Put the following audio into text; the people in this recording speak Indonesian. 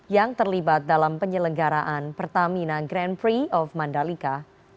yang terlibat dalam penyelenggaraan pertamina grand prix of mandalika